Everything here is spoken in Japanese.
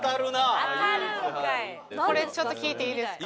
これちょっと聞いていいですか？